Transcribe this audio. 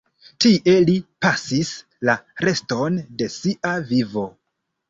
Tie li pasis la reston de sia vivo.